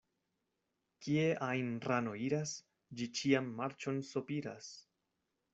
Kie ajn rano iras, ĝi ĉiam marĉon sopiras.